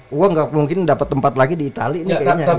wah nggak mungkin dapat tempat lagi di itali ini kayaknya